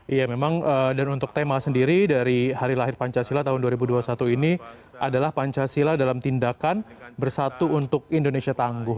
iya memang dan untuk tema sendiri dari hari lahir pancasila tahun dua ribu dua puluh satu ini adalah pancasila dalam tindakan bersatu untuk indonesia tangguh